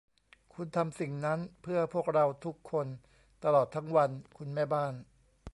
คุณทำสิ่งนั้นเพื่อพวกเราทุกคนตลอดทั้งวัน คุณแม่บ้าน